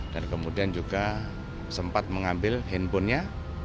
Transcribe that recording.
dan kemudian juga sempat mengambil handphonenya